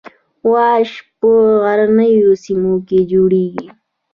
واش په غرنیو سیمو کې جوړیږي